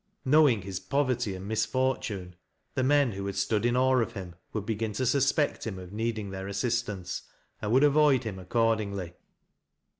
Ki\owing hB poverty and misfortune, the men who hrt,d rtood in awe of him would begin to suspect him of need ing their assistance and would avoid hina accordingly.